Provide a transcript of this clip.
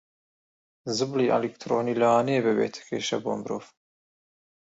زبڵی ئەلیکترۆنی لەوانەیە ببێتە کێشە بۆ مرۆڤ